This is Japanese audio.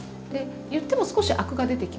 いっても少しアクが出てきます。